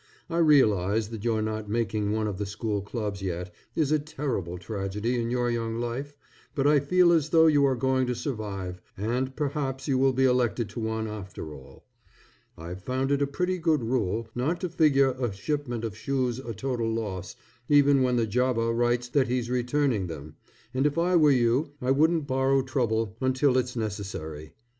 I realize that your not making one of the school clubs yet, is a terrible tragedy in your young life; but I feel as though you are going to survive, and perhaps you will be elected to one after all. I've found it a pretty good rule, not to figure a shipment of shoes a total loss even when the jobber writes that he's returning them, and if I were you I wouldn't borrow trouble until it's necessary.